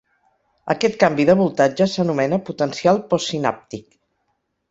Aquest canvi de voltatge s'anomena potencial postsinàptic.